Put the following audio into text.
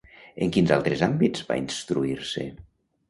En quins altres àmbits va instruir-se?